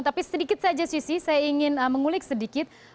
tapi sedikit saja sisi saya ingin mengulik sedikit